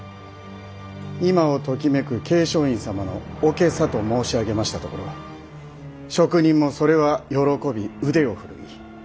今をときめく桂昌院様のお袈裟と申し上げましたところ職人もそれは喜び腕を振るい。